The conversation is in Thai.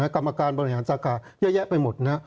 กรรมการบริหารสาขาเยอะแยะไปหมดนะ